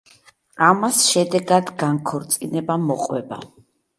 ამას შედეგად განქორწინება მოყვება.